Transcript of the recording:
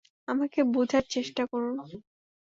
আমাকে বুঝার চেষ্টা করুন।